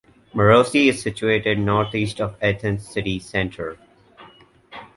Marousi is situated northeast of Athens city centre.